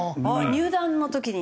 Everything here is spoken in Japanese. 入団の時に？